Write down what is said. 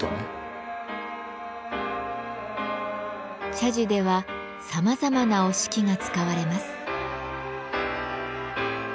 茶事ではさまざまな折敷が使われます。